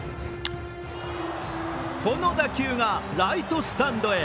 この打球がライトスタンドへ。